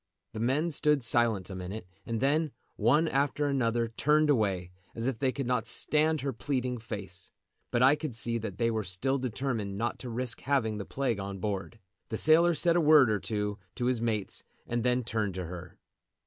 The men stood silent a minute, and then, one after another, turned away, as if they could not stand her pleading face. But I could see that they were still determined not to risk having the plague on board. The sailor said a word or two to his mates and then turned to her.